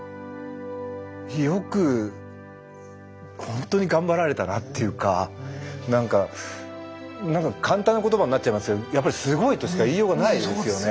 よくほんとに頑張られたなっていうか簡単な言葉になっちゃいますがやっぱりすごいとしか言いようがないですよね。